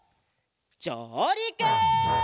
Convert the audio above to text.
じょうりく！